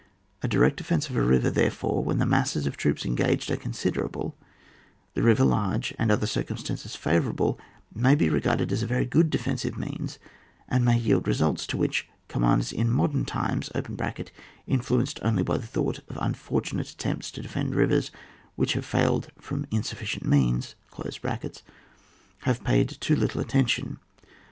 A direct defence of a river, therefore, when the masses of troops engaged are considerable, the river large, and other circumstances favourable, may be re garded as a very good defensive means, and may yield results to which com manders in modem times (influenced only by the thought of unfortunate at tempts to defend rivers, which failed from insufficient means), have paid too little attention.